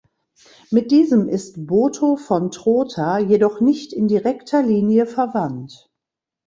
Mit diesem ist Botho von Trotha jedoch nicht in direkter Linie verwandt.